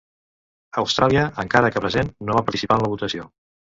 Austràlia, encara que present, no va participar en la votació.